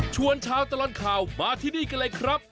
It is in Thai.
ชวนชาวตลอดข่าวมาที่นี่กันเลยครับ